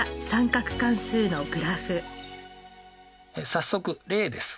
早速例です。